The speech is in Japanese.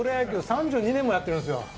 ３２年もやってるんですよ。